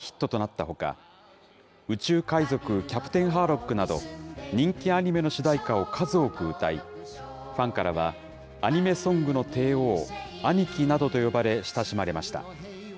マジンガーＺの主題歌が７０万枚を売り上げる大ヒットとなったほか、宇宙海賊キャプテンハーロックなど、人気アニメの主題歌を数多く歌い、ファンからはアニメソングの帝王、アニキなどと呼ばれ、親しまれました。